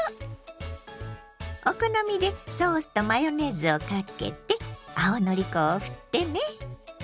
お好みでソースとマヨネーズをかけて青のり粉をふってね！